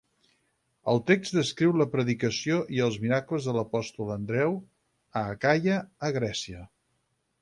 El text descriu la predicació i els miracles de l'apòstol Andreu a Acaia, a Grècia.